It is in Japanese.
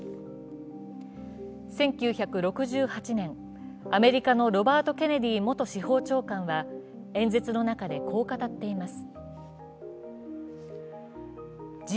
１９６８年、アメリカのロバート・ケネディ元司法長官は演説の中で、こう語っています。